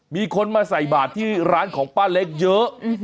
มีคนมาใส่บาทที่ร้านของป้าเล็กเยอะ